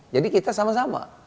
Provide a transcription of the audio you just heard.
jadi kita sama sama